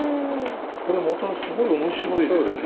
これまたすごい面白いですね。